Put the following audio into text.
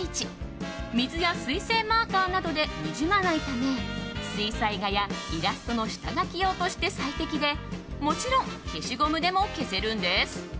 水や水性マーカーなどでにじまないため水彩画やイラストの下書き用として最適でもちろん消しゴムでも消せるんです。